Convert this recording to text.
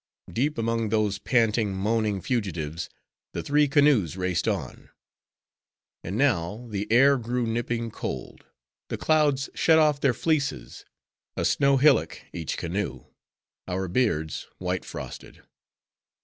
Deep among those panting, moaning fugitives, the three canoes raced on. And now, the air grew nipping cold. The clouds shed off their fleeces; a snow hillock, each canoe; our beards, white frosted.